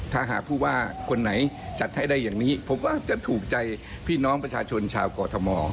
ถ้าหากผู้ว่าคนไหนจัดให้ได้อย่างนี้ผมว่าจะถูกใจพี่น้องประชาชนชาวกอทม